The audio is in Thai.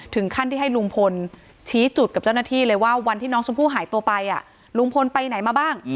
ถึงขั้นที่ให้ลุงพลชี้จุดกับเจ้าหน้าที่เลยว่าวันที่น้องชมพู่หายตัวไปลุงพลไปไหนมาบ้าง